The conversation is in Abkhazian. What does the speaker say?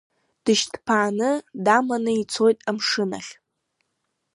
Дышьҭԥааны даманы ицоит амшын ахь.